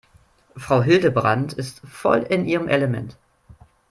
Frau Hildebrand ist voll in ihrem Element.